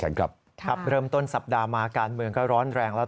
ครับครับเริ่มต้นสัปดาห์มาการเมืองก็ร้อนแรงแล้ว